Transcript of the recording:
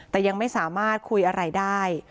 แต่ยังไม่สามารถคุยอะไรได้